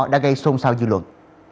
đã gây xôn xao dư luận